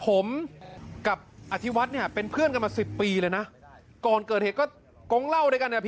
ผมกับอธิวัตินี่เป็นเพื่อนกันมา๑๐ปีเลยนะ